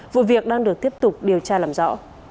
vụ việc đang được tiếp tục điều tra làm rõ